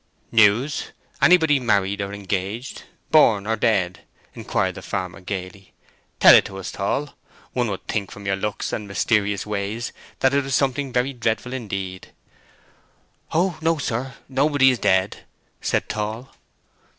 "News? Anybody married or engaged, born or dead?" inquired the farmer, gaily. "Tell it to us, Tall. One would think from your looks and mysterious ways that it was something very dreadful indeed." "Oh no, sir, nobody is dead," said Tall.